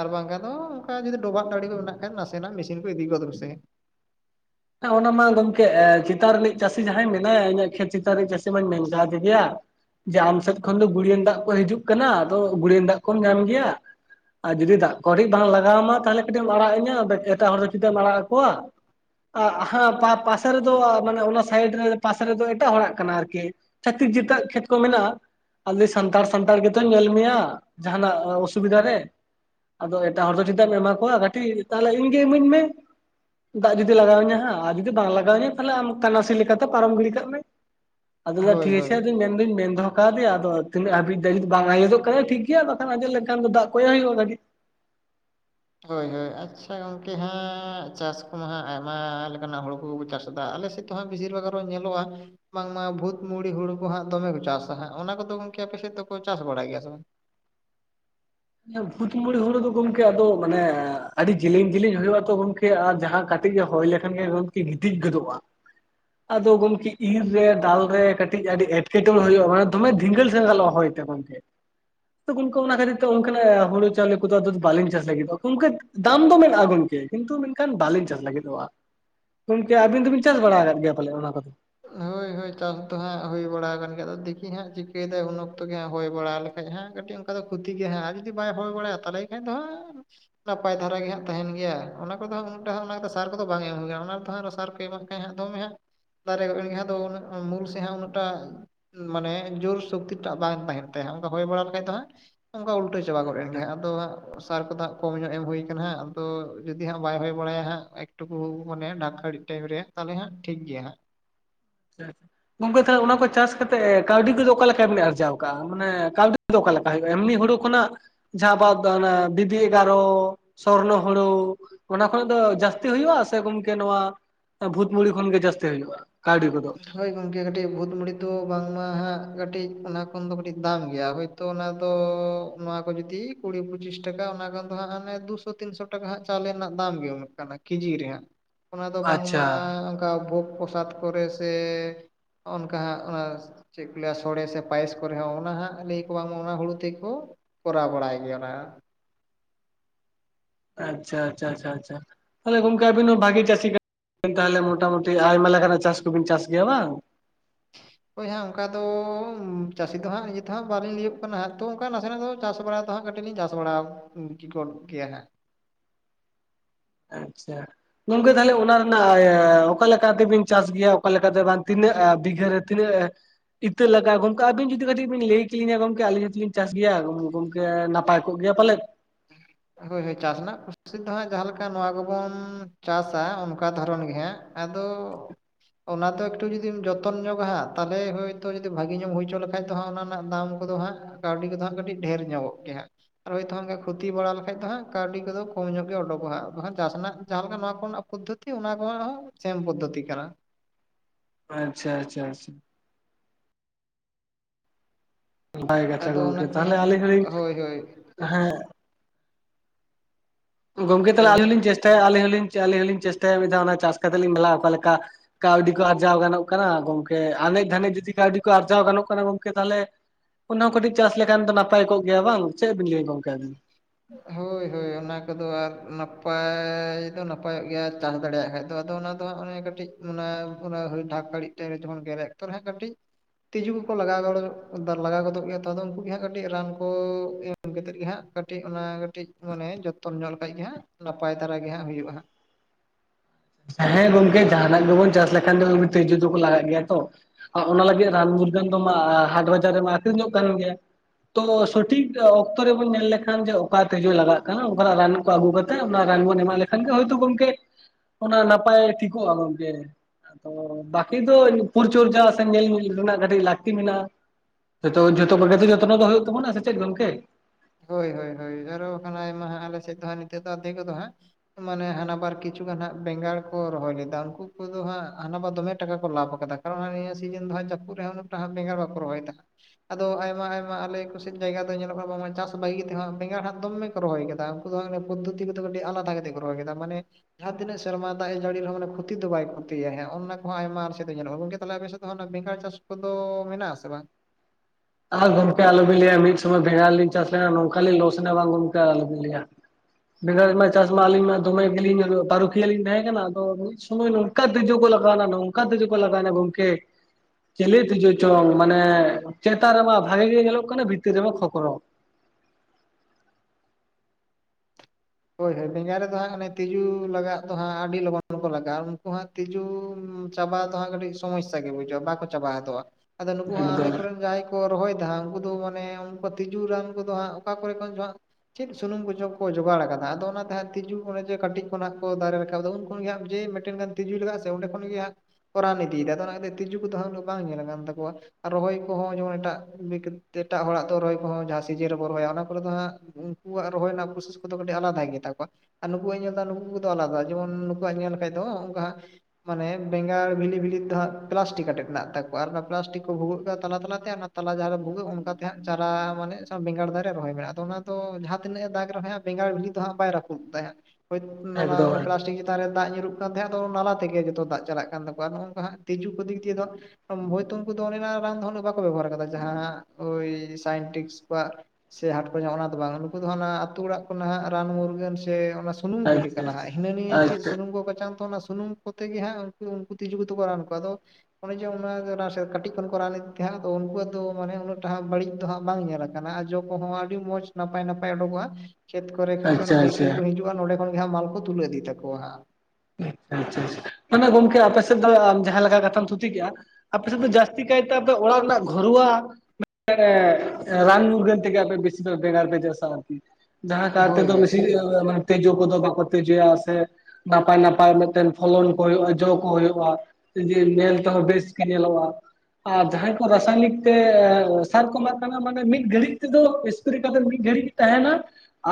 ᱟᱨ ᱵᱟᱝ ᱠᱷᱟᱱ ᱫᱚ ᱚᱱᱠᱟ ᱡᱩᱫᱤ ᱰᱚᱵᱷᱟᱜ ᱜᱟᱹᱰᱤ ᱠᱚ ᱢᱮᱱᱟᱜ ᱠᱷᱟᱱ ᱱᱟᱥᱮ ᱱᱟᱜ ᱢᱮᱥᱤᱱ ᱠᱚ ᱤᱫᱤ ᱜᱚᱫ ᱢᱮᱥᱮ ᱚᱱᱟ ᱢᱟ ᱜᱚᱝᱠᱮ ᱪᱮᱛᱟᱱ ᱨᱤᱱᱤᱡ ᱪᱟᱹᱥᱤ ᱡᱟᱦᱟᱸᱭ ᱢᱮᱱᱟᱭᱟ ᱤᱧᱟᱹᱜ ᱠᱷᱮᱛ ᱪᱮᱛᱟᱱ ᱨᱮᱱᱤᱡ ᱪᱟᱹᱥᱤ ᱢᱟᱹᱧ ᱢᱮᱱ ᱠᱟᱣᱫᱮ ᱜᱮᱭᱟ ᱡᱮ ᱟᱢ ᱥᱮᱫ ᱠᱷᱚᱱ ᱫᱚ ᱜᱩᱲᱭᱟᱱ ᱫᱟᱜ ᱠᱚ ᱦᱤᱡᱩᱜ ᱠᱟᱱᱟ ᱟᱫᱚ ᱜᱩᱲᱭᱟᱱ ᱫᱟᱜ ᱠᱚᱢ ᱧᱟᱢ ᱜᱮᱭᱟ᱾ ᱟᱨ ᱡᱩᱫᱤ ᱫᱟᱜ ᱠᱚ ᱠᱟᱹᱴᱤᱡ ᱵᱟᱝ ᱞᱟᱜᱟᱣ ᱟᱢᱟ ᱛᱟᱦᱞᱮ ᱠᱟᱹᱴᱤᱡ ᱮᱢ ᱟᱲᱟᱜ ᱤᱧᱟᱹ ᱮᱴᱟᱜ ᱦᱚᱲ ᱫᱚ ᱪᱮᱫᱟᱜ ᱮᱢ ᱟᱲᱟᱜ ᱟᱠᱚᱣᱟ᱾ ᱦᱮᱸ ᱯᱟᱥᱮ ᱨᱮᱫᱚ ᱢᱟᱱᱮ ᱚᱱᱟ ᱥᱟᱭᱤᱰ ᱨᱮ ᱯᱟᱥᱮ ᱨᱮᱫᱚ ᱮᱴᱟᱜ ᱦᱚᱲ ᱟᱜ ᱠᱟᱱᱟ ᱟᱨᱠᱤ᱾ ᱪᱷᱟᱹᱛᱤᱠ ᱠᱷᱮᱛ ᱠᱚ ᱢᱮᱱᱟᱜᱼᱟ ᱟᱞᱮ ᱥᱟᱱᱛᱟᱲ ᱥᱟᱱᱛᱟᱲ ᱜᱮ ᱛᱚ ᱧᱮᱞ ᱢᱮᱭᱟ ᱡᱟᱦᱟ ᱱᱟᱜ ᱚᱥᱩᱵᱤᱫᱷᱟ ᱨᱮ᱾ ᱟᱫᱚ ᱮᱴᱟᱜ ᱦᱚᱲ ᱫᱚ ᱪᱮᱫ ᱟᱜ ᱮᱢ ᱮᱢᱟ ᱠᱚᱣᱟ ᱠᱟᱹᱴᱤᱡ ᱛᱟᱦᱞᱮ ᱤᱧ ᱜᱮ ᱤᱢᱟᱹᱧ ᱢᱮ᱾ ᱡᱩᱫᱤ ᱞᱟᱜᱟᱣ ᱤᱧᱟᱹ ᱦᱟᱸᱜ ᱟᱨ ᱡᱩᱫᱤ ᱵᱟᱝ ᱞᱟᱜᱟᱣ ᱤᱧᱟᱹ ᱛᱟᱦᱞᱮ ᱟᱢ ᱠᱟᱱᱟᱥᱤ ᱞᱮᱠᱟ ᱛᱮ ᱯᱟᱨᱚᱢ ᱜᱤᱰᱤ ᱠᱟᱜ ᱢᱮ ᱟᱫᱚ ᱴᱷᱤᱠ ᱦᱳᱭ ᱜᱮᱭᱟ ᱪᱷᱮ ᱦᱳᱭ ᱪᱮᱫ ᱟᱫᱚᱧ ᱢᱮᱱᱟ ᱤᱧ ᱫᱩᱧ ᱢᱮᱱ ᱫᱚᱦᱚ ᱠᱟᱣᱫᱮᱭᱟ ᱟᱫᱚ ᱛᱤᱱᱟᱹᱜ ᱦᱟᱵᱤᱡ ᱴᱷᱤᱠ ᱜᱮᱭᱟ ᱟᱫᱚ ᱦᱟᱸᱜ ᱠᱷᱟᱱ ᱟᱸᱡᱮᱫ ᱞᱮᱠᱷᱟᱱ ᱫᱚ ᱫᱟᱜ ᱠᱚᱭᱮ ᱦᱳᱭᱳᱜᱼᱟ ᱦᱩᱭᱩᱜᱼᱟ ᱞᱟᱹᱜᱤᱫ᱾ ᱦᱚᱭ ᱦᱚᱭ ᱟᱪᱪᱷᱟ ᱜᱚᱝᱠᱮ ᱦᱟᱸᱜ ᱪᱟᱥ ᱠᱚᱢᱟ ᱦᱟᱸᱜ ᱟᱭᱢᱟ ᱞᱮᱠᱟᱱᱟᱜ ᱦᱩᱲᱩ ᱠᱚᱠᱚ ᱪᱟᱥ ᱫᱟ ᱟᱞᱮ ᱥᱮᱫ ᱛᱚ ᱦᱟᱜ ᱵᱮᱥᱤᱨ ᱵᱷᱟᱜ ᱟᱨᱦᱚᱸ ᱧᱮᱞᱚᱜᱼᱟ ᱾ ᱵᱟᱝᱢᱟ ᱵᱷᱩᱛ ᱢᱩᱲᱤ ᱦᱩᱲᱩ ᱠᱚ ᱦᱟᱸᱜ ᱫᱚᱢᱮ ᱠᱚ ᱪᱟᱥᱟ ᱦᱟᱸᱜ ᱚᱱᱟ ᱠᱚᱫᱚ ᱜᱚᱝᱠᱮ ᱟᱯᱮ ᱥᱮᱫ ᱫᱚᱠᱚ ᱪᱟᱥ ᱵᱟᱲᱟᱭ ᱜᱮᱣᱟ ᱥᱮ ᱵᱟᱝ ᱾ ᱵᱷᱩᱛ ᱢᱩᱲᱤ ᱦᱩᱲᱩ ᱫᱚ ᱜᱚᱝᱠᱮ ᱟᱫᱚ ᱢᱟᱱᱮ ᱟᱹᱰᱤ ᱡᱮᱞᱮᱧ ᱡᱤᱞᱮᱧ ᱦᱩᱭᱩᱜ ᱟ ᱛᱚ ᱜᱚᱝᱠᱮ ᱾ ᱟᱨ ᱡᱟᱦᱟᱸ ᱠᱟᱹᱴᱤᱡ ᱮ ᱦᱚᱭ ᱞᱮᱠᱷᱟᱱ ᱜᱮ ᱜᱚᱝᱠᱮ ᱜᱤᱛᱤᱡ ᱜᱚᱫᱚᱜᱼᱟ ᱾ ᱟᱫᱚ ᱜᱚᱝᱠᱮ ᱤᱨ ᱨᱮ ᱫᱟᱞ ᱨᱮ ᱠᱟᱹᱴᱤᱡ ᱟᱹᱰᱤ ᱮᱴᱠᱮᱴᱚᱬᱮ ᱦᱩᱭᱩᱜᱭᱼᱟ ᱢᱮ ᱫᱚᱢᱮ ᱫᱷᱤᱸᱜᱟᱞ ᱫᱷᱟᱝᱜᱟᱞ ᱦᱚᱭ ᱛᱮ ᱜᱚᱝᱠᱮ ᱾ [inaudible] ᱛᱚ ᱜᱚᱝᱠᱮ ᱚᱱᱟ ᱠᱷᱟᱛᱤᱨ ᱾ ᱛᱚ ᱚᱱᱠᱟᱱᱟᱜ ᱦᱩᱲᱩ ᱪᱟᱣᱞᱮ ᱠᱚᱫᱚ ᱟᱝᱚ ᱵᱟᱞᱤᱧ ᱪᱟᱥ ᱞᱟᱹᱜᱤᱫᱣᱟ ᱚᱝᱠᱟ ᱫᱟᱢ ᱫᱚ ᱢᱮᱱᱟᱜᱼᱟ ᱜᱚᱝᱠᱮ ᱾ ᱠᱤᱱᱛᱩ ᱢᱮᱱᱠᱷᱟᱱ ᱵᱟᱞᱤᱧ ᱪᱟᱥ ᱞᱟᱹᱜᱤᱫᱚᱜᱼᱟ ᱜᱚᱝᱠᱮ ᱟᱵᱤᱱ ᱫᱚᱵᱤᱱ ᱪᱟᱥ ᱵᱟᱲᱟ ᱟᱠᱟᱫ ᱜᱮᱭᱟ ᱯᱟᱞᱮ ᱚᱱᱟ ᱠᱚᱫᱚ ᱾ ᱦᱳᱭ ᱦᱳᱭ ᱪᱟᱥ ᱫᱚ ᱦᱟᱸᱜ ᱦᱩᱭ ᱵᱟᱲᱟ ᱠᱟᱱᱟ ᱜᱮᱭᱟ ᱟᱫᱚ ᱫᱤᱠᱤ ᱦᱟᱸᱜ ᱪᱤᱠᱟᱹᱭᱮᱫᱟᱭ ᱩᱱ ᱚᱠᱛᱚ ᱜᱮ ᱦᱩᱭ ᱵᱟᱲᱟ ᱞᱮ ᱾ ᱦᱮᱸ ᱠᱟᱹᱴᱤᱡ ᱚᱱᱠᱟ ᱫᱚ ᱠᱷᱚᱛᱤ ᱜᱮ ᱦᱟᱜᱸ ᱟᱨ ᱡᱩᱫᱤ ᱵᱟᱭ ᱦᱚᱲ ᱵᱟᱲᱟᱭᱟ ᱛᱟᱦᱚᱞᱮ ᱠᱷᱟᱱ ᱫᱚ ᱦᱟᱸᱜ ᱾ ᱱᱟᱯᱟᱭ ᱫᱷᱟᱨᱟ ᱜᱮ ᱦᱟᱸᱜ ᱛᱟᱦᱮᱱ ᱜᱮᱭᱟ ᱚᱱᱟ ᱠᱚᱫᱚ ᱦᱟᱸᱜ ᱩᱱᱟᱹᱜ ᱴᱟ ᱚᱱᱟ ᱫᱚ ᱥᱟᱨ ᱠᱚᱫᱚ ᱵᱟᱝ ᱮᱢ ᱦᱩᱭᱩᱜᱼᱟ ᱚᱱᱟ ᱨᱮᱫᱚ ᱦᱟᱸᱜ ᱥᱟᱨ ᱠᱚ ᱮᱢᱟᱜ [unintelligible] ᱫᱟᱨᱮ ᱟᱫᱚ ᱦᱟᱸᱜ ᱩᱱᱟᱹᱜ ᱴᱟ ᱢᱟᱱᱮ ᱡᱳᱨ ᱥᱚᱠᱛᱤ ᱴᱟᱜ ᱵᱟᱝ ᱛᱟᱦᱮᱱ ᱛᱟᱣᱟ ᱚᱱᱠᱟ ᱦᱩᱭ ᱵᱟᱲᱟ ᱞᱮᱠᱷᱟᱡ ᱫᱚ ᱦᱟᱸᱜ ᱾ ᱚᱱᱠᱟ ᱩᱞᱴᱟᱹ ᱪᱟᱵᱟ ᱜᱚᱫ ᱮᱱ ᱜᱮ ᱦᱟᱸᱜ ᱟᱫᱚ ᱦᱟᱸᱜ ᱥᱟᱨ ᱠᱚᱫᱚ ᱦᱟᱸᱜ ᱠᱚᱢ ᱧᱚᱜ ᱮᱢ ᱦᱩᱭᱩᱭ ᱟᱠᱟᱱᱟ ᱦᱟᱸᱜ ᱟᱫᱚ ᱾ ᱡᱩᱫᱤ ᱦᱟᱸᱜ ᱵᱟᱭ ᱦᱩᱭ ᱵᱟᱲᱟᱭᱟ ᱦᱟᱸᱜ ᱮᱠᱴᱩᱠᱩ ᱢᱟᱱᱮ ᱚᱱᱟ ᱜᱷᱟᱹᱲᱤᱡ ᱴᱟᱭᱤᱢ ᱨᱮ ᱛᱟᱦᱚᱞᱮ ᱦᱟᱸᱜ ᱴᱷᱤᱠ ᱜᱮᱭᱟ ᱦᱟᱸᱜ ᱾ ᱟᱪᱪᱷᱟ ᱜᱚᱝᱠᱮ ᱛᱟᱦᱚᱞᱮ ᱚᱱᱟ ᱠᱚ ᱪᱟᱥ ᱠᱟᱛᱮ ᱠᱟᱹᱣᱰᱤ ᱠᱚᱫᱚ ᱚᱠᱟᱮᱠᱟ ᱵᱮᱤᱱ ᱟᱨᱡᱟᱣ ᱠᱟᱜᱼᱟ ᱢᱟᱱᱮ ᱾ ᱠᱟᱹᱣᱰᱤ ᱠᱚᱫᱚ ᱚᱠᱟᱮᱠᱟ? ᱛᱟ ᱦᱩᱭᱩᱜᱼᱟ ᱮᱢᱱᱤ ᱦᱩᱲᱩ ᱠᱷᱚᱱᱟᱜ ᱡᱟᱦᱟᱸ ᱵᱟᱫ ᱚᱱᱟ ᱵᱤᱵᱤ ᱮᱜᱟᱨᱚ ᱥᱚᱨᱱᱚ ᱦᱩᱲᱩ ᱾ ᱚᱱᱟ ᱠᱷᱚᱱᱟᱜ ᱫᱚ ᱡᱟᱹᱥᱛᱤ ᱦᱩᱭᱩᱜ ᱟ ᱥᱮ ᱜᱚᱝᱠᱮ ᱱᱚᱣᱟ ᱵᱷᱩᱛ ᱢᱩᱲᱤ ᱠᱷᱚᱱ ᱜᱮ ᱡᱟᱹᱥᱛᱤ ᱦᱩᱭᱩᱜᱼᱟ ᱠᱟᱹᱣᱰᱤ ᱠᱚᱫᱚ ᱾ ᱦᱳᱭ ᱜᱚᱝᱠᱮ ᱠᱟᱹᱴᱤᱡ ᱵᱷᱩᱛ ᱢᱩᱲᱤ ᱫᱚ ᱵᱟᱝᱢᱟ ᱦᱟᱸᱜ ᱾ ᱠᱟᱹᱴᱤᱡ ᱚᱱᱟ ᱠᱷᱚᱱ ᱫᱚ ᱠᱟᱹᱴᱤᱡ ᱫᱟᱢ ᱜᱮᱣᱟ ᱦᱳᱭᱛᱚ ᱚᱱᱟ ᱫᱚ ᱱᱚᱣᱟ ᱠᱚ ᱡᱩᱫᱤ ᱾ ᱠᱩᱲᱤ ᱯᱚᱸᱪᱤᱥ ᱴᱟᱠᱟ ᱚᱱᱟ ᱠᱚ ᱫᱚ ᱦᱟᱸᱜ ᱦᱟᱱᱮ ᱫᱩᱥᱚ ᱛᱤᱱᱥᱚ ᱴᱟᱠᱟ ᱦᱟᱸᱜ ᱪᱟᱣᱞᱮ ᱨᱮᱱᱟᱜ ᱫᱟᱢ ᱜᱮ ᱩᱱᱟᱜ ᱠᱟᱱᱟ ᱠᱮᱡᱤ ᱨᱮ ᱦᱟᱸᱜ ᱾ ᱚᱱᱟ ᱫᱚ ᱟᱪᱪᱷᱟ ᱵᱟᱝᱢᱟ ᱚᱱᱠᱟ ᱵᱷᱳᱜᱽ ᱯᱨᱚᱥᱟᱫᱽ ᱠᱚᱨᱮ ᱥᱮ ᱚᱱᱠᱟ ᱦᱟᱸᱜ ᱚᱱᱟ ᱾ ᱪᱮᱫ ᱠᱚ ᱞᱟᱹᱭᱟ ᱥᱚᱲᱮ ᱥᱮ ᱯᱟᱭᱮᱥ ᱠᱚᱨᱮ ᱦᱚᱸ ᱚᱱᱟ ᱦᱟᱸᱜ ᱞᱟᱹᱭ ᱟᱠᱚ ᱵᱟᱝ ᱚᱱᱟ ᱦᱩᱲᱩ ᱛᱮᱠᱚ ᱾ ᱠᱚᱨᱟᱣ ᱵᱟᱲᱟᱭ ᱜᱮᱭᱟ ᱚᱱᱟ ᱾ ᱟᱪᱪᱷᱟ ᱟᱪᱪᱚ ᱟᱪᱪᱷᱟ ᱟᱪᱷᱟ ᱾ ᱛᱟᱦᱚᱞᱮ ᱜᱚᱝᱠᱮ ᱟᱵᱤᱱ ᱦᱚᱸ ᱵᱷᱟᱜᱤ ᱪᱟᱹᱥᱤ [unintelligible] ᱛᱟᱦᱚᱞᱮ ᱢᱚᱴᱟᱢᱩᱴᱤ ᱟᱭᱢᱟ ᱞᱮᱠᱟᱱᱟᱜ ᱪᱟᱥ ᱠᱚᱵᱤᱱ ᱪᱟᱥ ᱜᱮᱭᱟ ᱵᱟᱝ ᱾ ᱦᱳᱭ ᱦᱟᱸᱜ ᱚᱱᱠᱟ ᱫᱚ ᱪᱟᱹᱥᱤ ᱫᱚ ᱦᱟᱸᱜ ᱤᱭᱟᱹ ᱛᱮᱦᱟᱸᱜ ᱵᱟᱹᱞᱤᱧ ᱞᱟᱹᱭᱚᱜ ᱠᱟᱱᱟ ᱦᱟᱸᱜ ᱛᱚ ᱚᱱᱚᱠᱟ ᱱᱟᱥᱮ ᱱᱟᱜ ᱫᱚ ᱾ ᱪᱟᱥ ᱵᱟᱲᱟ ᱫᱚ ᱦᱟᱸᱜ ᱠᱟᱹᱴᱤᱡ ᱞᱤᱧ ᱪᱟᱥ ᱵᱟᱲᱟ [unintelligible] ᱜᱮᱭᱟ ᱦᱟᱸᱜ ᱾ ᱟᱪᱪᱷᱟ ᱾ ᱜᱚᱝᱠᱮ ᱛᱟᱦᱞᱮ ᱚᱱᱟ ᱨᱮᱱᱟᱜ ᱚᱠᱟ ᱞᱮᱠᱟ ᱛᱮᱵᱤᱱ ᱪᱟᱥ ᱜᱮᱭᱟ ᱚᱠᱟᱞᱮᱠᱟ ᱞᱮᱠᱟᱛᱮ ᱵᱟᱝ ᱛᱤᱱᱟᱹᱜ ᱵᱤᱜᱷᱟᱹ ᱨᱮ ᱾ ᱛᱤᱱᱟᱹᱜ ᱤᱛᱟᱹ ᱞᱟᱜᱼᱟ ᱜᱚᱢᱠᱮ ᱟᱵᱤᱱ ᱡᱩᱫᱤ ᱠᱟᱹᱴᱤᱡ ᱵᱤᱱ ᱞᱟᱹᱭ ᱠᱮᱞᱤᱧᱟ ᱜᱚᱝᱠᱮ ᱟᱞᱤᱧ ᱡᱚᱛᱚ ᱞᱤᱧ ᱪᱟᱥ ᱜᱮᱭᱟ ᱜᱚᱝᱠᱮ ᱾ ᱱᱟᱯᱟᱭ ᱠᱚᱜ ᱜᱮᱭᱟ ᱯᱟᱞᱮᱫ ᱾ ᱦᱮ ᱾ ᱦᱳᱭ ᱦᱳᱭ ᱪᱟᱥ ᱨᱮᱱᱟᱜᱱ [unintelligible] ᱫᱚ ᱦᱟᱸᱜ ᱡᱟᱦᱟᱸ ᱞᱮᱠᱟ ᱱᱚᱣᱟ ᱠᱚᱵᱚᱱ ᱪᱟᱥᱟ ᱚᱱᱠᱟ ᱫᱷᱚᱨᱚᱱ ᱜᱮ ᱦᱟᱸᱜ ᱾ ᱟᱫᱚ ᱾ ᱚᱱᱟ ᱫᱚ ᱮᱠᱴᱩ ᱡᱩᱫᱤᱢ ᱡᱚᱛᱚᱱ ᱧᱚᱜᱟ ᱛᱟᱦᱚᱞᱮ ᱦᱚᱭᱛᱳ ᱡᱚᱫᱤ ᱵᱷᱟᱜᱤ ᱧᱚᱜ ᱮᱢ ᱦᱩᱭ ᱦᱚᱪᱚ ᱞᱮᱠᱷᱟᱱ ᱾ ᱱᱤᱛᱚᱜ [unintelligible] ᱚᱱᱟ ᱨᱮᱱᱟᱜ ᱫᱟᱢ ᱠᱚᱫᱚ ᱦᱟᱸᱜ ᱠᱟᱹᱣᱰᱤ ᱠᱚᱫᱚ ᱦᱟᱸᱜ ᱠᱟᱹᱴᱤᱡ ᱰᱷᱮᱨ ᱧᱚᱜᱟᱜ ᱜᱮᱭᱟ ᱦᱟᱸᱜ ᱟᱨ ᱦᱳᱭᱛᱳ ᱾ ᱠᱷᱚᱛᱤ ᱵᱟᱲᱟ ᱞᱮᱠᱷᱟᱡ ᱫᱚ ᱦᱟᱸᱜ ᱠᱟᱹᱣᱰᱤ ᱠᱚᱫᱚ ᱠᱚᱢ ᱧᱚᱜ ᱜᱮ ᱚᱰᱩᱠᱚᱜᱼᱟ ᱦᱟᱜ ᱵᱟᱝ ᱠᱷᱟᱱ ᱪᱟᱥ ᱨᱮᱱᱟᱜ ᱡᱟᱦᱟᱸ ᱞᱮᱠᱟ ᱱᱚᱣᱟ ᱠᱚᱨᱮᱱᱟᱜ ᱯᱚᱫᱽᱫᱷᱚᱛᱤ ᱾ ᱚᱱᱟ ᱠᱚ ᱦᱚᱸ ᱥᱮᱢ ᱯᱚᱫᱽᱫᱷᱚᱛᱤ ᱠᱟᱱᱟ ᱾ ᱟᱪᱪᱷᱟ ᱟᱪᱪᱷᱟ ᱟᱪᱪᱷᱟ ᱾ ᱱᱟᱯᱟᱭ ᱠᱟᱛᱷᱟ ᱟᱫᱚ ᱚᱱᱟ ᱜᱚᱢᱠᱮ ᱜᱮ ᱛᱟᱦᱚᱞᱮ ᱦᱟᱸᱜ ᱟᱞᱤᱧ ᱦᱚᱸ ᱞᱤᱧ, ᱦᱳᱭ ᱦᱳᱭ ᱦᱮᱸ ᱾ ᱜᱚᱝᱠᱮ ᱛᱟᱦᱚᱞᱮ ᱞᱟᱹᱭ ᱟᱞᱤᱧ ᱵᱮᱱ ᱦᱚᱸᱞᱤᱧ ᱪᱮᱥᱴᱟᱭᱟ ᱟᱞᱤᱧ ᱦᱚᱸ ᱞᱤᱧ ᱪᱮᱥᱴᱟᱭᱟ ᱢᱤᱫ ᱫᱷᱟᱣ ᱚᱱᱟ ᱪᱟᱥ ᱠᱟᱛᱮᱫ ᱞᱤᱧ ᱧᱮᱞᱟ ᱚᱠᱟᱞᱮ ᱞᱮᱠᱟ ᱾ ᱠᱟᱹᱣᱰᱤ ᱠᱚ ᱟᱨᱡᱟᱣ ᱜᱟᱱᱚᱜ ᱠᱟᱱᱟ ᱜᱚᱝᱠᱮ ᱟᱱᱮᱡ ᱫᱷᱟᱱᱮᱡ ᱡᱚᱫᱤ ᱠᱟᱹᱣᱰᱤ ᱠᱚ ᱟᱨᱡᱟᱣ ᱜᱟᱱᱚᱜ ᱠᱟᱱᱟ ᱜᱚᱝᱠᱮ ᱛᱟᱦᱚᱞᱮ ᱚᱱᱟ ᱦᱚᱸ ᱠᱟᱹᱴᱤᱡ ᱪᱟᱥ ᱞᱮᱠᱷᱟᱱ ᱫᱚ ᱱᱟᱯᱟᱭ ᱠᱚᱜ ᱜᱮᱭᱟ ᱵᱟᱝ ᱪᱮᱫ ᱵᱤᱱ ᱞᱟᱹᱭᱟ ᱜᱚᱝᱠᱮ ᱟᱵᱤᱱ ᱾ ᱦᱳᱭ ᱦᱳᱭ ᱚᱱᱟ ᱠᱚᱫᱚ ᱟᱨ ᱱᱟᱯᱟᱭ ᱫᱚ ᱱᱟᱯᱟᱭᱚᱜ ᱜᱮᱭᱟ ᱪᱟᱥ ᱫᱟᱲᱮᱭᱟᱜ ᱠᱷᱟᱡ ᱫᱚ ᱟᱫᱚ ᱚᱱᱟ ᱾ [unintelligible] ᱚᱱᱮ ᱠᱟᱹᱴᱤᱡ ᱢᱟᱱᱮ [unintelligible] ᱰᱷᱟᱠ ᱜᱟᱹᱲᱤᱡ ᱴᱟᱭᱤᱢ ᱨᱮ ᱡᱚᱠᱷᱚᱱ ᱜᱮᱞᱮᱜ ᱚᱠᱛᱚ ᱨᱮ ᱦᱟᱸᱜ ᱠᱟᱹᱴᱤᱡ ᱾ ᱛᱤᱡᱩ ᱠᱚᱠᱚ ᱞᱟᱜᱟᱣ [unintelligible] ᱜᱚᱫᱚᱜ ᱜᱮᱭᱟ ᱛᱚ ᱩᱱᱠᱩ ᱜᱮ ᱦᱟᱸᱜ ᱠᱟᱹᱴᱤᱡ ᱨᱟᱱ ᱠᱚ ᱮᱢ ᱠᱟᱛᱮᱫ ᱜᱮ ᱦᱟᱸᱜ ᱾ ᱠᱟᱹᱴᱤᱡ ᱚᱱᱟ ᱠᱟᱹᱴᱤᱡ ᱢᱟᱱᱮ ᱡᱚᱛᱚᱱ ᱧᱚᱜ ᱞᱮᱠᱷᱟᱡ ᱜᱮ ᱦᱟᱸᱜ ᱱᱟᱯᱟᱭ ᱫᱟᱨᱟ ᱜᱮ ᱦᱟᱸᱜ ᱦᱩᱭᱩᱜᱼᱟ ᱦᱟᱸᱜ᱾ ᱦᱮᱸ ᱜᱚᱝᱠᱮ ᱡᱟᱦᱟᱱᱟᱜ ᱜᱮᱵᱚᱱ ᱪᱟᱥ ᱞᱮᱠᱷᱟᱱ ᱫᱚ ᱛᱤᱡᱩ ᱫᱚᱠᱚ ᱞᱟᱜᱟᱜ ᱜᱮᱭᱟ ᱛᱚ ᱾ ᱚᱱᱟ ᱞᱟᱹᱜᱤᱫ ᱨᱟᱱ ᱢᱩᱨᱜᱟᱹᱱ ᱫᱚ ᱢᱟ ᱦᱟᱴ ᱵᱟᱡᱟᱨ ᱨᱮᱢᱟ ᱟᱠᱷᱨᱤᱧᱚᱜ ᱠᱟᱱ ᱜᱮᱭᱟ ᱾ ᱛᱚ ᱥᱚᱴᱷᱤᱠ ᱚᱠᱛᱚ ᱨᱮᱵᱚᱱ ᱧᱮᱞ ᱞᱮᱠᱷᱟᱱ ᱡᱮ ᱚᱠᱟ ᱛᱤᱡᱩ ᱞᱟᱜᱟᱜ ᱠᱟᱱᱟ ᱚᱱᱠᱟᱱᱟᱜ ᱨᱟᱱ ᱠᱚ ᱟᱹᱜᱩ ᱠᱟᱛᱮ ᱚᱱᱟ ᱨᱟᱱ ᱵᱚᱱ ᱮᱢᱟᱜ ᱞᱮᱠᱷᱟᱱ ᱜᱮ ᱦᱚᱭᱛᱚ ᱜᱚᱝᱠᱮ ᱚᱱᱟ ᱱᱟᱯᱟᱭ ᱴᱷᱤᱠᱚᱜᱼᱟ ᱜᱚᱝᱠᱮ ᱾ ᱛᱚ ᱵᱟᱠᱤ ᱫᱚ ᱯᱨᱚᱨᱤᱪᱚᱨᱪᱟ ᱥᱮ ᱧᱮᱞ ᱨᱮᱱᱟᱜ ᱠᱟᱹᱴᱤᱡ ᱞᱟᱹᱠᱛᱤ ᱢᱮᱱᱟᱜᱼᱟ ᱾ [unintelligible] ᱡᱚᱛᱚ ᱠᱚᱜᱮ ᱛᱮ ᱡᱚᱛᱱᱚ ᱫᱚ ᱦᱩᱭᱩᱜ ᱛᱟᱵᱚᱱᱟ ᱥᱮ ᱪᱮᱫ ᱜᱚᱝᱠᱮ ᱦᱳᱭ ᱦᱳᱭ ᱦᱳᱭ ᱾ ᱟᱨᱚ ᱮᱠᱷᱟᱱ ᱟᱭᱢᱟ ᱟᱞᱮ ᱥᱮᱫ ᱫᱚ ᱦᱟᱸᱜ ᱱᱤᱛᱚᱜ ᱫᱚ ᱟᱫᱷᱮ ᱠᱚ ᱫᱚ ᱦᱟᱸᱜ ᱢᱟᱱᱮ ᱦᱟᱱᱟ ᱵᱟᱨ ᱠᱤᱪᱷᱩ ᱜᱟᱱ ᱦᱟᱸᱜ ᱵᱮᱸᱜᱟᱲ ᱠᱚ ᱨᱚᱦᱚᱭ ᱞᱮᱫᱟ ᱩᱱᱠᱩ ᱠᱚᱫᱚ ᱦᱟᱸᱜ ᱦᱟᱱᱟ ᱵᱟᱨ ᱫᱚᱢᱮ ᱴᱟᱠᱟ ᱠᱚ ᱞᱟᱵᱷ ᱟᱠᱟᱫᱟ ᱾ ᱱᱚᱜᱼᱚᱭ ᱱᱚᱣᱟ ᱱᱤᱭᱟᱹ ᱥᱤᱡᱤᱱ ᱫᱚ ᱦᱟᱜ ᱡᱟᱹᱯᱩᱫ ᱨᱮᱦᱚ ᱩᱱᱟᱹᱜ ᱴᱟᱜ ᱦᱚᱸ ᱵᱮᱸᱜᱟᱲ ᱵᱟᱠᱚ ᱨᱚᱦᱚᱭ ᱮᱫᱟ ᱾ ᱟᱫᱚ ᱟᱭᱢᱟ ᱟᱭᱢᱟ ᱟᱞᱮ ᱠᱚ ᱥᱮᱫ ᱡᱟᱭᱜᱟ ᱫᱚ ᱧᱮᱞᱚᱜᱼᱟ ᱵᱟᱝᱢᱟ ᱪᱟᱥ ᱵᱟᱹᱜᱤ ᱠᱟᱛᱮᱫ [unintelligible] ᱵᱮᱸᱜᱟᱲ ᱦᱟᱸᱜ ᱫᱚᱢᱮ ᱠᱚ ᱨᱚᱦᱚᱭ ᱟᱠᱟᱫᱟ ᱩᱱᱠᱩ ᱫᱚ ᱯᱚᱫᱽᱷᱚᱛᱤ ᱠᱚᱫᱚ ᱠᱟᱹᱴᱤᱡ ᱟᱞᱟᱫᱟ ᱠᱟᱛᱮ ᱠᱚ ᱨᱚᱦᱚᱭ ᱟᱠᱟᱫᱟ ᱢᱟᱱᱮ ᱾ ᱡᱟᱦᱟᱸ ᱛᱤᱱᱟᱹᱜ ᱥᱮᱨᱢᱟ ᱫᱟᱜ ᱮ ᱡᱟᱹᱲᱤ ᱨᱮᱦᱚᱸ ᱢᱟᱱᱮ ᱠᱷᱚᱛᱤ ᱫᱚ ᱵᱟᱭ ᱠᱷᱚᱛᱤᱭᱟᱭ ᱦᱮᱸ ᱚᱱᱟ ᱦᱚᱸ ᱟᱭᱢᱟ ᱟᱞᱮ ᱥᱮᱫ ᱫᱚ ᱧᱮᱞᱚᱜᱼᱟ ᱜᱚᱝᱠᱮ ᱛᱟᱦᱚᱞᱮ ᱟᱯᱮ ᱥᱮᱫ ᱱᱚᱜᱼᱚ ᱱᱚᱣᱟ ᱵᱮᱸᱜᱟᱲ ᱪᱟᱥ ᱠᱚᱫᱚ ᱢᱮᱱᱟᱜ-ᱟ ᱥᱮ ᱵᱟᱝ? ᱟᱨ ᱜᱚᱝᱠᱮ ᱟᱞᱚᱵᱤᱱ ᱞᱟᱹᱭᱟ ᱢᱤᱫ ᱥᱚᱢᱚᱭ ᱵᱮᱸᱜᱟᱲ ᱞᱤᱧ ᱪᱟᱥ ᱞᱮᱫ-ᱟ ᱱᱚᱝᱠᱟᱞᱤᱧ ᱞᱚᱥ ᱮᱱᱟ ᱵᱟᱝ ᱜᱚᱝᱠᱮ ᱟᱨ ᱟᱞᱚᱵᱤᱱ ᱞᱟᱹᱭᱟ ᱾ ᱵᱮᱸᱜᱟᱲ ᱢᱟ ᱪᱟᱥ ᱢᱟ ᱟᱹᱞᱤᱧ ᱢᱟ ᱫᱚᱢᱮ ᱜᱮᱞᱤᱧ ᱯᱟᱹᱨᱩᱠᱷᱤᱭᱟᱹᱞᱤᱧ ᱛᱟᱦᱮᱸ ᱠᱟᱱᱟ ᱟᱫᱚ ᱱᱚᱝᱠᱟ ᱛᱤᱡᱩ ᱠᱚ ᱞᱟᱜᱟᱣᱮᱱᱟ ᱱᱚᱝᱠᱟ ᱛᱤᱡᱩ ᱠᱚ ᱞᱟᱜᱟᱣ ᱮᱱᱟ ᱜᱚᱝᱠᱮ ᱪᱮᱞᱤ ᱛᱤᱡᱩ ᱪᱚᱝ ᱢᱟᱱᱮ ᱪᱮᱛᱟᱱ ᱨᱮᱢᱟ ᱵᱷᱟᱜᱮ ᱜᱮ ᱧᱮᱞᱚᱜ ᱠᱟᱱᱟ ᱵᱷᱤᱛᱤᱨ ᱨᱮᱢᱟ ᱠᱷᱚᱠᱨᱚ ᱦᱳᱭ ᱦᱳᱭ ᱾ ᱵᱮᱸᱜᱟᱲ ᱨᱮᱫᱚ ᱦᱟᱸᱜ ᱚᱱᱮ ᱛᱤᱡᱩ ᱞᱟᱜᱟᱜ ᱫᱚ ᱦᱟᱸᱜ ᱟᱹᱰᱤ ᱞᱚᱜᱚᱱ ᱠᱚ ᱞᱟᱜᱟᱜᱼᱟ ᱩᱱᱠᱩ ᱦᱟᱸᱜ ᱛᱤᱡᱩ ᱪᱟᱵᱟ ᱫᱚ ᱦᱟᱸᱜ ᱠᱟᱹᱴᱤᱡ ᱥᱚᱢᱚᱥᱥᱟ ᱜᱮ ᱵᱩᱡᱷᱟᱹᱜᱼᱟ ᱵᱟᱠᱚ ᱪᱟᱵᱟ ᱦᱚᱫᱚᱜᱼᱟ ᱾ ᱟᱫᱚ ᱱᱩᱠᱩ ᱦᱚᱸ ᱟᱞᱮ ᱮᱠᱫᱚᱢ ᱠᱚᱨᱮᱱ ᱡᱟᱦᱟᱭ ᱠᱚ ᱨᱚᱦᱚᱭᱮᱫᱟ ᱦᱟᱸᱜ ᱩᱱᱠᱩ ᱫᱚ ᱢᱟᱱᱮ ᱩᱱᱠᱩ ᱛᱤᱡᱩ ᱨᱟᱱ ᱠᱚᱫᱚ ᱦᱟᱸᱜ ᱚᱠᱟ ᱠᱚᱨᱮ ᱠᱷᱚᱱ ᱪᱚ ᱦᱟᱸᱜ ᱪᱮᱫ ᱥᱩᱱᱩᱢ ᱠᱚᱪᱚ ᱠᱚ ᱡᱚᱜᱟᱲ ᱟᱠᱟᱫᱟ ᱟᱫᱚ ᱚᱱᱟᱛᱮ ᱦᱟᱸᱜ ᱛᱤᱡᱩ ᱚᱱᱮ ᱠᱟᱹᱴᱤᱡ ᱠᱷᱚᱱ ᱦᱟᱸ ᱠᱚ ᱫᱟᱨᱮ ᱨᱟᱠᱟᱵ ᱟᱫᱚ ᱩᱱ ᱠᱷᱚᱱ ᱜᱮ ᱦᱟᱸᱜ ᱡᱮ ᱢᱤᱫᱴᱮᱱ ᱜᱟᱱ ᱛᱤᱡᱩ ᱞᱟᱜᱟ ᱟᱭ ᱥᱮ ᱚᱸᱰᱮ ᱠᱷᱚᱱ ᱜᱮ ᱦᱟᱸᱜ ᱠᱚ ᱨᱟᱱ ᱤᱫᱤᱭᱮᱫᱟ ᱛᱚ ᱚᱱᱟ ᱛᱤᱡᱩ ᱠᱚᱫᱚ ᱩᱱᱟᱹᱜ ᱵᱟᱝ ᱧᱮᱞᱚᱜ ᱠᱟᱱ ᱛᱟᱠᱚᱣᱟ ᱾ ᱨᱚᱦᱚᱭ ᱠᱚᱦᱚᱸ ᱡᱮᱢᱚᱱ ᱮᱴᱟᱜ ᱮᱴᱟᱜ ᱦᱚᱲᱟᱜ ᱫᱚ ᱨᱚᱦᱚᱭ ᱠᱚᱦᱚᱸ ᱡᱟᱦᱟᱸ ᱥᱤᱡᱤᱱ ᱨᱮᱵᱚᱱ ᱨᱚᱦᱚᱭᱟ ᱚᱱᱟ ᱠᱚᱨᱮ ᱫᱚ ᱦᱟᱸᱜ ᱩᱱᱠᱩᱣᱟᱜ ᱨᱚᱦᱚᱭ ᱨᱮᱱᱟᱜ ᱯᱨᱚᱥᱮᱥ ᱠᱚᱫᱚ ᱟᱞᱟᱫᱟ ᱜᱮᱛᱟ ᱠᱚᱣᱟ ᱟᱨ ᱱᱩᱠᱩᱣᱟᱜ ᱧᱮᱞᱫᱟ ᱱᱩᱠᱩ ᱠᱚᱫᱚ ᱟᱞᱟᱫᱟ᱾ᱡᱮᱢᱚᱱ ᱱᱩᱠᱩᱣᱟᱜ ᱧᱮᱞ ᱞᱮᱠᱷᱟᱡ ᱫᱚ ᱚᱱᱠᱟ ᱦᱟᱸᱜ ᱢᱟᱱᱮ ᱵᱮᱸᱜᱟᱲ ᱵᱷᱤᱞᱤ ᱵᱷᱤᱞᱤ ᱛᱮ ᱦᱟᱸᱜ ᱯᱞᱟᱥᱴᱤᱠ ᱟᱴᱮᱫ ᱢᱮᱱᱟᱜ ᱛᱟᱠᱚᱣᱟ ᱟᱨ ᱚᱱᱟ ᱯᱞᱟᱥᱴᱤᱠ ᱠᱚ ᱵᱷᱩᱜᱟᱹᱜ ᱠᱟ ᱛᱟᱞᱟ ᱛᱟᱞᱟᱛᱮ ᱛᱟᱞᱟ ᱡᱟᱦᱟᱸ ᱨᱮ ᱵᱷᱩᱜᱟᱹᱜ ᱚᱱᱠᱟ ᱛᱮ ᱦᱟᱸᱜ ᱪᱟᱨᱟ ᱢᱟᱱᱮ ᱵᱮᱸᱜᱟᱲ ᱫᱟᱨᱮ ᱨᱚᱦᱚᱭ ᱢᱮᱱᱟᱜᱼᱟ᱾ ᱚᱱᱟ ᱫᱚ ᱡᱟᱦᱟᱸ ᱛᱤᱱᱟᱹᱜ ᱮ ᱫᱟᱜ ᱨᱮᱦᱚᱸ ᱵᱮᱸᱜᱟᱲ ᱵᱷᱤᱞᱤ ᱫᱚ ᱦᱟᱸᱜ ᱵᱟᱭ ᱨᱟᱹᱯᱩᱫ ᱫᱟ ᱦᱳᱭ ᱮᱠᱫᱚᱢ ᱚᱱᱟ ᱮᱠᱫᱚᱢ ᱯᱞᱟᱥᱴᱤᱠ ᱪᱮᱛᱟᱱ ᱨᱮ ᱫᱟᱜ ᱧᱩᱨᱩᱜ ᱠᱟᱱ ᱛᱟᱦᱮᱸᱫ ᱟᱫᱚ ᱱᱟᱞᱟ ᱛᱮᱜᱮ ᱡᱚᱛᱚ ᱫᱟᱜ ᱪᱟᱞᱟᱜ ᱠᱟᱱ ᱛᱟᱠᱚᱣᱟ ᱱᱚᱜ ᱱᱚᱝᱠᱟ ᱦᱟᱸᱜ ᱛᱤᱡᱩ ᱠᱚ ᱫᱤᱠ ᱫᱤᱭᱮ ᱦᱳᱭᱛᱳ ᱩᱱᱠᱩ ᱫᱚ ᱚᱱᱮ ᱨᱟᱱ ᱫᱚ ᱩᱱᱟᱹᱜ ᱵᱟᱠᱚ ᱵᱮᱵᱚᱦᱟᱨ ᱠᱟᱫᱟ ᱡᱟᱦᱟᱸ ᱳᱭ ᱥᱟᱭᱮᱱᱴᱤᱠ ᱠᱚᱣᱟᱜ ᱥᱮ ᱦᱟᱴ ᱠᱚ ᱧᱟᱢᱚᱜ ᱚᱱᱟ ᱫᱚ ᱵᱟᱝ ᱱᱩᱠᱩ ᱫᱚ ᱚᱱᱟ ᱟᱹᱛᱩ ᱚᱲᱟᱜ ᱦᱟᱸᱜ ᱨᱟᱱ ᱢᱩᱨᱜᱟᱹᱱ ᱥᱮ ᱚᱱᱟ ᱥᱩᱱᱩᱢ ᱠᱚᱜᱮ ᱟᱪᱪᱷᱟ ᱠᱟᱱᱟ ᱦᱟᱸᱜ᱾ᱦᱤᱱᱟᱹᱱᱤᱭᱟᱹ ᱪᱮᱫ ᱟᱪᱪᱷᱟ ᱟᱪᱪᱷᱟ ᱥᱩᱱᱩᱢ ᱠᱚ ᱠᱚᱪᱟᱝ ᱛᱚ ᱚᱱᱟ ᱥᱩᱱᱩᱢ ᱠᱚᱛᱮ ᱜᱮ ᱦᱟᱸᱜ ᱩᱱᱠᱩ ᱩᱱᱠᱩ ᱛᱤᱡᱩ ᱠᱚᱛᱮ ᱠᱚ ᱨᱟᱱ ᱟᱠᱚᱣᱟ᱾ ᱟᱫᱚ ᱚᱱᱮ ᱡᱮ ᱚᱱᱟ ᱠᱟᱹᱴᱤᱡ ᱠᱷᱚᱱ ᱠᱚ ᱨᱟᱱ ᱮᱫ ᱛᱟᱦᱮᱸᱜ ᱟᱫᱚ ᱩᱱᱠᱩᱣᱟᱜ ᱫᱚ ᱢᱟᱱᱮ ᱩᱱᱟᱹᱜ ᱴᱟ ᱦᱟᱸᱜ ᱵᱟᱹᱲᱤᱡ ᱫᱚ ᱦᱟᱸᱜ ᱵᱟᱝ ᱧᱮᱞ ᱟᱠᱟ ᱠᱟᱱᱟ ᱟᱨ ᱡᱚ ᱠᱚᱦᱚᱸ ᱟᱹᱰᱤ ᱢᱚᱡᱽ ᱱᱟᱯᱟᱭ ᱱᱟᱯᱟᱭ ᱩᱰᱩᱠᱚᱜᱼᱟ ᱾ ᱠᱷᱮᱛ ᱠᱚᱨᱮ ᱠᱷᱚᱱ ᱥᱮ ᱯᱟᱹᱭᱠᱟᱹᱨ ᱟᱪᱪᱷᱟ ᱠᱚ ᱦᱤᱡᱩᱜᱼᱟ᱾ ᱱᱚᱰᱮ ᱠᱷᱚᱱ ᱜᱮ ᱦᱟᱸᱜ ᱢᱟᱞ ᱠᱚ ᱛᱩᱞᱟᱹ ᱤᱫᱤ ᱛᱟᱠᱚᱣᱟ ᱦᱟᱸᱜ ᱾ ᱟᱪᱪᱷᱟ ᱟᱪᱪᱷᱟ ᱟᱪᱪᱷᱟ ᱾ ᱢᱟᱱᱮ ᱜᱚᱝᱠᱮ ᱟᱯᱮ ᱥᱮᱫ ᱫᱚ ᱟᱢ ᱡᱟᱦᱟᱸ ᱞᱮᱠᱟ ᱠᱟᱛᱷᱟᱢ ᱛᱷᱩᱛᱤ ᱠᱮᱜᱼᱟ ᱾ ᱟᱯᱮ ᱥᱮᱫ ᱫᱚ ᱡᱟᱹᱥᱛᱤ ᱠᱟᱭᱛᱮ ᱟᱯᱮ ᱚᱲᱟᱜ ᱨᱮᱱᱟᱜ ᱜᱚᱨᱣᱟ ᱨᱟᱱ ᱢᱩᱨᱜᱟᱹᱱ ᱛᱚ ᱟᱯᱮ ᱵᱮᱥᱤᱨ ᱵᱷᱟᱜᱽ ᱵᱮᱜᱟᱨ ᱯᱮ ᱪᱟᱥᱟ ᱟᱨᱠᱤ ᱡᱟᱦᱟᱸ ᱠᱟᱨᱛᱮ ᱦᱳᱭ ᱦᱳᱭ ᱵᱮᱥᱤ ᱢᱟᱱᱮ ᱛᱤᱡᱩ ᱠᱚᱫᱚ ᱵᱟᱠᱚ ᱛᱤᱡᱩᱭᱟ ᱥᱮ ᱱᱟᱯᱟᱭ ᱱᱟᱯᱟᱭ ᱢᱤᱫᱴᱮᱱ ᱯᱷᱚᱞᱚᱱ ᱠᱚ ᱦᱩᱭᱩᱜᱼᱟ ᱡᱚ ᱠᱚ ᱦᱩᱭᱩᱜᱼᱟ ᱾ ᱡᱮ ᱧᱮᱞ ᱛᱮᱦᱚᱸ ᱵᱮᱥ ᱠᱚ ᱧᱮᱞᱚᱜᱼᱟ ᱾ ᱟᱨ ᱡᱟᱦᱟᱸᱭ ᱠᱚ ᱨᱟᱥᱟᱭᱱᱤᱠ ᱛᱮ ᱥᱟᱨ ᱠᱚ ᱮᱢᱟᱜ ᱠᱟᱱᱟ ᱢᱟᱱᱮ ᱢᱤᱫ ᱜᱷᱟᱹᱲᱤᱡ ᱛᱮᱫᱚ ᱮᱥᱯᱨᱮ ᱠᱟᱛᱮ ᱢᱤᱫ ᱜᱷᱟᱹᱲᱤᱡ ᱛᱟᱦᱮᱱᱟ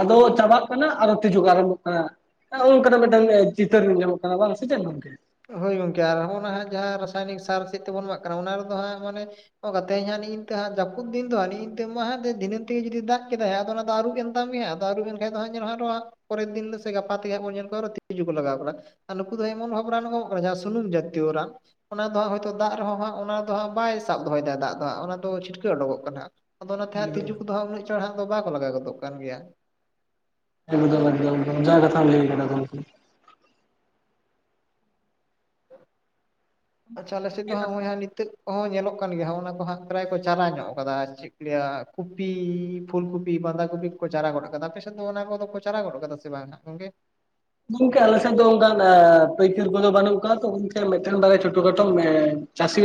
ᱟᱫᱚ ᱪᱟᱵᱟᱜ ᱠᱟᱱᱟ ᱟᱨᱚ ᱛᱤᱡᱩ ᱟᱨᱚᱢᱵᱚᱜ ᱠᱟᱱᱟ ᱱᱚ ᱱᱚᱝᱠᱟᱱᱟᱜ ᱢᱤᱫᱴᱟᱝ ᱪᱤᱛᱟᱨ ᱧᱟᱢᱚᱜ ᱠᱟᱱᱟ ᱥᱮ ᱪᱮ ᱜᱚᱝᱠᱮ? ᱦᱳᱭ ᱜᱚᱝᱠᱮ ᱟᱨ ᱦᱚᱜᱚ ᱱᱟᱦᱜ ᱡᱟᱦᱟᱸ ᱨᱟᱥᱟᱭᱱᱤᱠ ᱥᱟᱨ ᱪᱮᱫ ᱛᱮᱵᱚᱱ ᱮᱢᱟᱜ ᱠᱟᱱᱟ ᱚᱱᱟ ᱨᱮᱫᱚ ᱦᱟᱸᱜ ᱢᱟᱱᱮ ᱚ ᱠᱟᱛᱮ ᱤᱧᱟᱜ ᱱᱤᱛᱚᱜᱹ ᱦᱟᱸᱜ ᱡᱟᱹᱯᱤᱫ ᱫᱤᱱ ᱫᱚ ᱱᱤᱛ ᱮᱢᱟ ᱫᱷᱤᱱᱟᱹᱝ ᱛᱮᱜᱮ ᱡᱩᱫᱤ ᱫᱟᱜ ᱠᱮᱫᱟᱭ ᱟᱫᱚ ᱚᱱᱟ ᱫᱚ ᱟᱨᱩᱵ ᱮᱱ ᱢᱮᱭᱟ ᱟᱫᱚ ᱟᱹᱭᱩᱵ ᱮᱱ ᱠᱷᱟᱱ ᱫᱚ ᱧᱮᱞ ᱢᱮ ᱦᱟᱸᱜ ᱯᱚᱨᱮᱨ ᱫᱤᱱ ᱥᱮ ᱜᱟᱯᱟ ᱛᱮᱜᱮ ᱦᱟᱸᱜ ᱵᱚᱱ ᱧᱮᱞ ᱠᱚᱣᱟ ᱟᱨᱚ ᱛᱤᱡᱩ ᱠᱚ ᱞᱟᱜᱟᱣ ᱠᱟᱱᱟ᱾ ᱟᱨ ᱱᱩᱠᱩ ᱫᱚ ᱮᱢᱚᱱ ᱵᱷᱟᱵ ᱨᱟᱱᱟᱜ ᱠᱟᱱᱟ ᱡᱟᱦᱟᱸ ᱥᱩᱱᱩᱢ ᱡᱟᱹᱛᱤᱭᱚ ᱨᱟᱱ ᱚᱱᱟ ᱫᱚ ᱦᱟᱸᱜ ᱦᱚᱭᱛᱚ ᱫᱟᱜ ᱨᱮᱦᱚᱸ ᱵᱟᱭ ᱥᱟᱵ ᱫᱚᱦᱚᱭᱮᱫᱟ ᱫᱟᱜ ᱫᱚ ᱦᱟᱸᱜ ᱚᱱᱟ ᱫᱚ ᱪᱷᱤᱴᱠᱟᱹᱣ ᱩᱰᱩᱠᱚᱜ ᱠᱟᱱᱟ᱾ ᱟᱫᱚ ᱚᱱᱟᱛᱮ ᱦᱟᱸᱜ ᱛᱤᱡᱩ ᱠᱚᱫᱚ ᱦᱟᱸᱜ ᱩᱱᱟᱹᱜ ᱪᱟᱲ ᱦᱟᱜ ᱫᱚ ᱵᱟᱠᱚ ᱞᱟᱜᱟᱣ ᱜᱚᱫᱚᱜ ᱠᱟᱱ ᱜᱮᱭᱟ᱾ ᱮᱠᱫᱟᱢ ᱮᱠᱫᱟᱢ ᱡᱟ ᱠᱟᱛᱷᱟᱢ ᱞᱟᱹᱭ ᱠᱟᱫᱟ ᱜᱚᱢᱠᱮ᱾ ᱟᱪᱪᱷᱟ ᱚᱞᱮ ᱥᱮᱡ ᱫᱚ ᱦᱟᱸᱜ ᱠᱟᱛᱷᱟ ᱱᱚᱜᱼᱚᱭ ᱱᱤᱛᱚᱜ ᱠᱚᱦᱚᱸ ᱧᱮᱞᱚᱜ ᱠᱟᱱ ᱜᱮᱭᱟ ᱚᱱᱟ ᱠᱚ ᱦᱟᱸᱜ ᱯᱨᱟᱭ ᱠᱚ ᱪᱟᱨᱟ ᱧᱚᱜ ᱟᱠᱟᱫᱟ ᱪᱮᱫ ᱠᱚ ᱞᱟᱹᱭᱟ ᱠᱚᱯᱤ ᱯᱷᱩᱞ ᱠᱚᱯᱤ ᱵᱟᱸᱫᱷᱟ ᱠᱚᱯᱤ ᱠᱚ ᱪᱟᱨᱟ ᱜᱚᱫᱚᱜ ᱟᱠᱟᱫᱟ᱾ ᱟᱯᱮᱥᱮᱱ ᱫᱚ ᱚᱱᱟ ᱠᱚᱫᱚ ᱠᱚ ᱪᱟᱨᱟ ᱜᱚᱫ ᱟᱠᱟᱫᱟ ᱥᱮ ᱵᱟᱝ ᱦᱟᱸᱜ ᱜᱚᱝᱠᱮ? ᱜᱚᱝᱠᱮ ᱟᱞᱮᱥᱮᱫ ᱫᱚ ᱚᱱᱠᱟᱱ ᱯᱟᱹᱭᱠᱟᱹᱨ ᱠᱚᱫᱚ ᱵᱟᱹᱱᱩᱜ ᱠᱚᱣᱟ ᱛᱚ᱾ᱩᱱᱠᱮ ᱢᱤᱫᱴᱮᱱ ᱵᱟᱨᱭᱟ ᱪᱷᱳᱴᱳ ᱠᱷᱟᱴᱳ ᱪᱟᱹᱥᱤ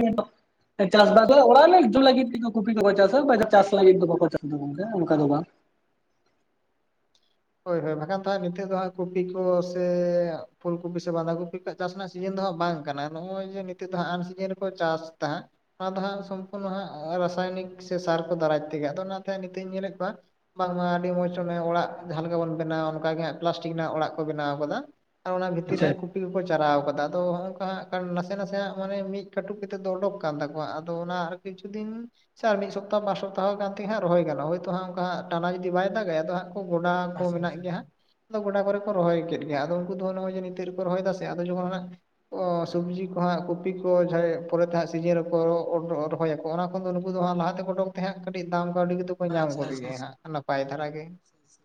[unintelligible] ᱪᱟᱥ ᱵᱟᱥ ᱚᱲᱟᱜ ᱨᱮ ᱡᱚᱢ ᱞᱟᱹᱜᱤᱫ ᱠᱩᱯᱤ ᱫᱚᱠᱚ ᱪᱟᱥᱟ᱾ᱪᱟᱥ ᱞᱟᱹᱜᱤᱫ ᱫᱚ ᱵᱟᱠᱚ ᱪᱟᱥᱟ ᱜᱚᱝᱠᱮ ᱚᱱᱠᱟ ᱫᱚ ᱵᱟᱝ ᱦᱳᱭ ᱦᱳᱭ᱾ᱵᱟᱠᱷᱟᱱ ᱛᱚ ᱦᱟᱸᱜ ᱱᱤᱛᱚᱜ ᱫᱚ ᱦᱟᱸᱜ ᱠᱚᱯᱤ ᱠᱚ ᱥᱮ ᱯᱷᱩᱞ ᱠᱚᱯᱤ ᱥᱮ ᱵᱟᱸᱫᱷᱟ ᱠᱚᱯᱤ ᱠᱚ ᱪᱟᱥ ᱨᱮᱱᱟᱜ ᱥᱤᱡᱤᱱ ᱫᱚ ᱦᱟᱸᱜ ᱵᱟᱝ ᱠᱟᱱᱟ᱾ ᱱᱚᱜᱼᱚᱭ ᱡᱮ ᱱᱤᱛᱚᱜ ᱫᱚ ᱦᱟᱸᱜ ᱟᱱᱥᱤᱡᱤᱱ ᱨᱮᱠᱚ ᱪᱟᱥ ᱛᱟᱦᱮᱫ ᱚᱱᱟ ᱫᱚ ᱦᱟᱸᱜ ᱥᱚᱢᱯᱩᱨᱱᱚ ᱦᱟᱸᱜ ᱨᱟᱥᱟᱭᱱᱤᱠ ᱥᱮ ᱥᱟᱨ ᱠᱚ ᱫᱟᱨᱟᱭ ᱛᱮᱜᱮ᱾ ᱟᱫᱚ ᱚᱱᱟᱛᱮ ᱦᱟᱸᱜ ᱱᱤᱛᱚᱜ ᱤᱧ ᱧᱮᱞᱮᱫ ᱠᱚᱣᱟ ᱵᱟᱝᱢᱟ ᱟᱹᱰᱤ ᱢᱚᱸᱡᱽ ᱚᱱᱮ ᱚᱲᱟᱜ ᱡᱟᱦᱟᱸ ᱞᱮᱠᱟ ᱵᱚᱱ ᱵᱮᱱᱟᱣᱟ ᱚᱱᱠᱟᱜᱮ ᱦᱟᱸᱜ ᱯᱞᱟᱥᱴᱤᱠ ᱨᱮᱱᱟᱜ ᱚᱲᱟᱜ ᱠᱚ ᱵᱮᱱᱟᱣ ᱟᱠᱟᱫᱟ ᱟᱨ ᱚᱱᱟ ᱵᱷᱤᱛᱤᱨ ᱨᱮ ᱟᱪᱪᱷᱟ ᱦᱟᱸᱜ ᱠᱚ ᱠᱚᱯᱤ ᱠᱚᱠᱚ ᱪᱟᱞᱟᱣ ᱠᱟᱫᱟ᱾ ᱟᱫᱚ ᱱᱚᱜᱼᱚ ᱱᱚᱠᱟ ᱦᱟᱸᱜ ᱱᱟᱥᱮ ᱱᱟᱥᱮ ᱦᱟᱸᱜ ᱢᱟᱱᱮ ᱢᱤᱫ ᱠᱟᱹᱴᱩᱵ ᱠᱟᱛᱮᱫ ᱫᱚ ᱚᱰᱳᱠ ᱟᱠᱟᱱ ᱛᱟᱠᱚᱣᱟ ᱟᱫᱚ ᱚᱱᱟ ᱠᱤᱪᱷᱩ ᱫᱤᱱ ᱥᱮ ᱟᱨ ᱢᱤᱫ ᱥᱚᱯᱛᱟᱦ ᱵᱟᱨ ᱥᱚᱯᱛᱟᱦ ᱦᱚᱸ ᱜᱟᱱ ᱛᱮ ᱜᱮ ᱦᱟᱸᱜ ᱨᱚᱦᱚᱭ ᱜᱟᱱᱚᱜᱼᱟ᱾ ᱦᱚᱭᱛᱚ ᱦᱟᱸᱜ ᱚᱱᱠᱟᱸ ᱴᱟᱱᱟ ᱡᱩᱫᱤ ᱵᱟᱭ ᱫᱟᱜᱟᱭ ᱟᱫᱚ ᱦᱟᱸᱜ ᱠᱚ ᱜᱚᱰᱟ ᱠᱚ ᱟᱪᱪᱷᱟ ᱟᱪᱪᱷᱟ ᱢᱮᱱᱟᱜ ᱜᱮᱭᱟ ᱦᱟᱸᱜ᱾ ᱟᱪᱪᱷᱟ ᱟᱫᱚ ᱜᱚᱰᱟ ᱠᱚᱨᱮ ᱠᱚ ᱨᱚᱦᱚᱭ ᱠᱮᱫ ᱜᱮ᱾ ᱟᱫᱚ ᱩᱱᱠᱩ ᱫᱚ ᱱᱚᱜᱼᱚᱭ ᱡᱮ ᱱᱤᱛᱚᱜ ᱨᱮᱠᱚ ᱨᱚᱦᱚᱭ ᱫᱟ ᱥᱮ ᱟᱫᱚ ᱡᱚᱠᱷᱚᱱ ᱦᱟᱸᱜ ᱥᱚᱵᱽᱡᱤ ᱠᱚ ᱦᱟᱸᱜ ᱠᱚᱯᱤ ᱠᱚ ᱡᱟᱦᱟᱸ ᱯᱚᱨᱮ ᱛᱮ ᱦᱟᱸᱜ ᱥᱤᱡᱤᱱ ᱨᱮᱠᱚ ᱨᱚᱦᱚᱭᱟᱠᱚ᱾ ᱚᱱᱟ ᱠᱷᱚᱱ ᱫᱚ ᱱᱩᱠᱩ ᱫᱚ ᱦᱟᱸᱜ ᱞᱟᱦᱟ ᱛᱮ ᱠᱚ ᱩᱰᱩᱠ ᱛᱟᱦᱮᱸᱫ ᱠᱟᱹᱴᱤᱡ ᱫᱟᱢ ᱠᱟᱹᱣᱰᱤ ᱠᱚ ᱟᱪᱪᱷᱟ ᱧᱟᱢ ᱜᱚᱫᱽ ᱟᱪᱪᱷᱟ ᱟᱪᱪᱷᱟ ᱜᱮᱭᱟ ᱦᱟᱸᱜ ᱱᱟᱯᱟᱭ ᱫᱷᱟᱨᱟ ᱜᱮ᱾ ᱟᱪᱪᱷᱟ